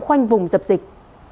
khoanh vùng dập dịch